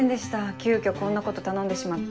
急遽こんなこと頼んでしまって。